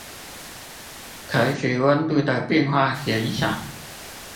可使溫度的變化減小